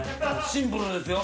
シンプルですよ。